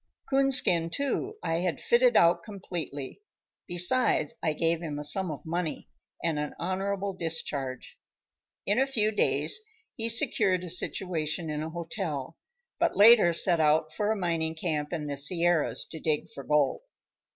Coonskin, too, I had fitted out completely; besides I gave him a sum of money and an honorable discharge. In a few days he secured a situation in a hotel, but later set out for a mining camp in the Sierras to dig for gold.